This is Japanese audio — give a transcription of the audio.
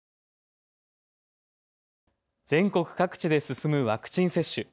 全国各地で進むワクチン接種。